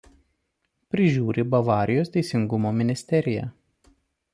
Prižiūri Bavarijos teisingumo ministerija.